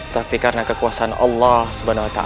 tapi karena kekuasaan allah swt